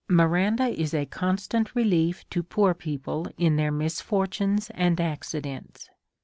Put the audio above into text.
I Miranda is a constant relief to poor people in their misfortunes and accidents.